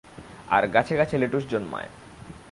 আর গাছে গাছে লেটুস জন্মায়।